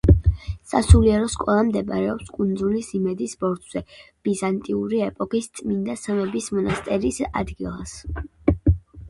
სასულიერო სკოლა მდებარეობს კუნძულის „იმედის ბორცვზე“, ბიზანტიური ეპოქის წმინდა სამების მონასტერის ადგილას.